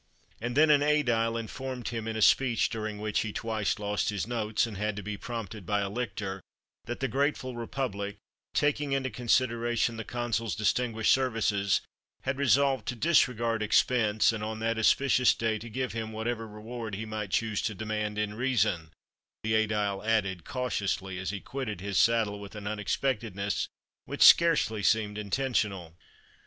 And then an Ædile informed him in a speech, during which he twice lost his notes, and had to be prompted by a lictor, that the grateful Republic, taking into consideration the Consul's distinguished services, had resolved to disregard expense, and on that auspicious day to give him whatever reward he might choose to demand "in reason," the Ædile added cautiously, as he quitted his saddle with an unexpectedness which scarcely seemed intentional.